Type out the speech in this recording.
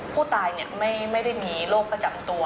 ผู้ตายไม่ได้มีโรคประจำตัว